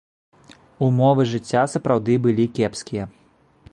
Умовы жыцця сапраўды былі кепскія.